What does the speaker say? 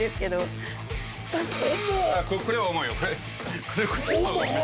これは重いよ。